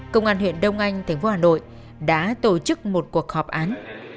công an huyện đông anh tp hà nội đã tổ chức một cuộc họp án